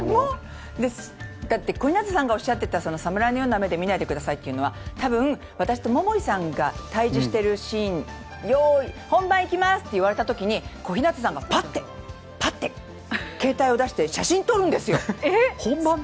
小日向さんがおっしゃっていた侍のような目で見ないでくださいというのは多分、私と桃井かおりさんが対峙しているシーン本番行きますって言われた時小日向さんがパって携帯を出して写真を撮るんですよ。